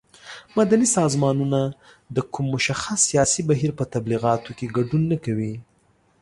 مدني سازمانونه د کوم مشخص سیاسي بهیر په تبلیغاتو کې ګډون نه کوي.